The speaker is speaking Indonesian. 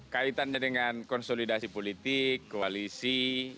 kaitannya dengan konsolidasi politik koalisi